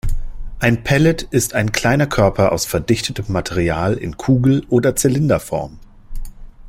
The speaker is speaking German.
Ein Pellet ist ein kleiner Körper aus verdichtetem Material in Kugel- oder Zylinderform.